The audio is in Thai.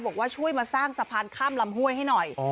บอกว่าช่วยมาสร้างสะพานข้ามลำห้วยให้หน่อย